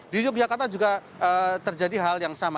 di yogyakarta juga terjadi hal yang sama